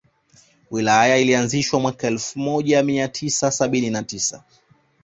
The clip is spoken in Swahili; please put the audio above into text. Wilaya hii ilianzishwa mwaka elfu moja mia tisa sabini na tisa